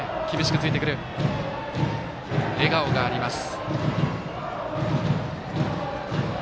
笑顔があります。